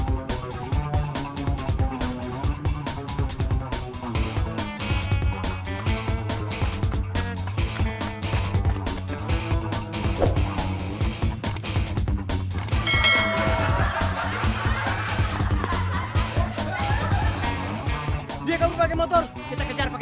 buat bantu nyari motor saya